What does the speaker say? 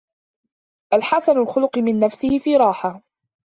الْحَسَنُ الْخُلُقِ مَنْ نَفْسُهُ فِي رَاحَةٍ